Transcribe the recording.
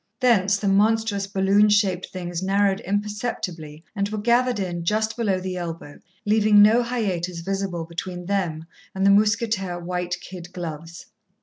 Thence, the monstrous, balloon shaped things narrowed imperceptibly, and were gathered in just below the elbow, leaving no hiatus visible between them and the mousquetaire white kid gloves.